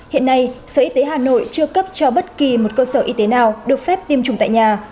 hiện nay sở y tế hà nội chưa cấp cho bất kỳ một cơ sở y tế nào được phép tiêm chủng tại nhà